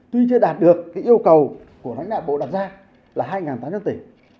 tuy chưa đạt được yêu cầu của lãnh đạo bộ đặt ra là hai tám trăm linh tỷ